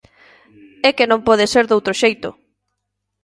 É que non pode ser doutro xeito.